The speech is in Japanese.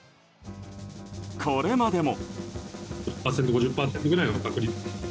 これまでも。